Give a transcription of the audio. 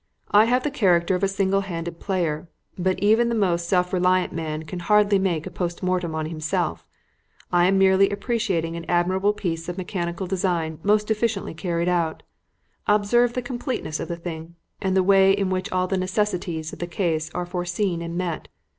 "I have the character of a single handed player, but even the most self reliant man can hardly make a post mortem on himself. I am merely appreciating an admirable piece of mechanical design most efficiently carried out. Observe the completeness of the thing, and the way in which all the necessities of the case are foreseen and met.